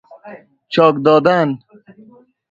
چاک دادن